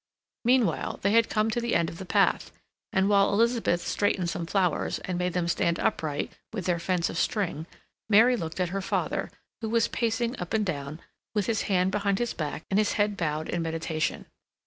Meanwhile, they had come to the end of the path, and while Elizabeth straightened some flowers, and made them stand upright within their fence of string, Mary looked at her father, who was pacing up and down, with his hand behind his back and his head bowed in meditation.